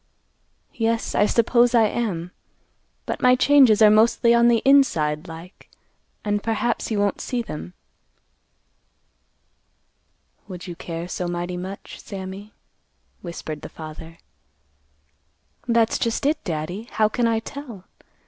"Yes, I suppose I am; but my changes are mostly on the inside like; and perhaps he won't see them." "Would you care so mighty much, Sammy?" whispered the father. "That's just it, Daddy. How can I tell?